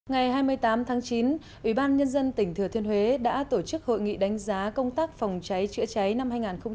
ngày hai mươi tám tháng chín ủy ban nhân dân tỉnh thừa thiên huế đã tổ chức hội nghị đánh giá công tác phòng cháy chữa cháy năm hai nghìn một mươi sáu